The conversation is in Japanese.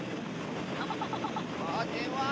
あっでんわ！